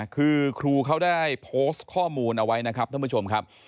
คือครูเขาได้โพสต์ข้อมูลเอาไว้นะครับท่านผู้ชมครับ